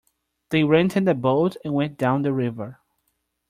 They rented a boat and went down the river.